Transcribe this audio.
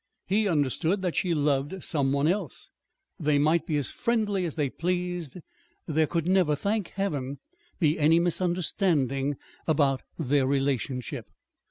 He understood that she loved some one else. They might be as friendly as they pleased. There could never thank Heaven! be any misunderstanding about their relationship.